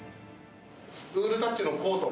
ウールタッチのコート。